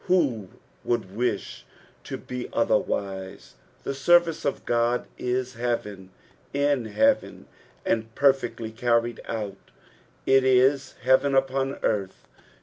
Who would wish it to be otherwise ? The service of Qod is heaven in heaven, and perfectly carried out it is hi'BVen upon earth.